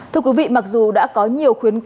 thưa quý vị mặc dù đã có nhiều khuyến cáo